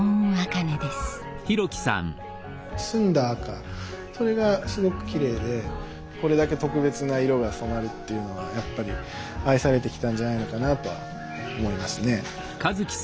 澄んだ赤それがすごくきれいでこれだけ特別な色が染まるっていうのはやっぱり愛されてきたんじゃないのかなとは思いますね。